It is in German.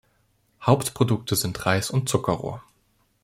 Hauptprodukte sind Reis und Zuckerrohr.